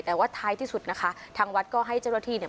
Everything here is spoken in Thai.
แต่ว่าท้ายที่สุดนะคะทางวัดก็ให้เจ้าหน้าที่เนี่ย